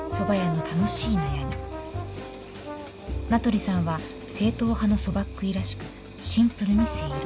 名取さんは正統派の蕎麦っ喰いらしくシンプルにせいろ。